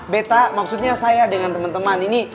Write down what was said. betta maksudnya saya dengan temen temen ini